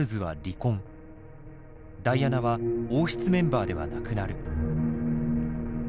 ダイアナは王室メンバーではなくなる。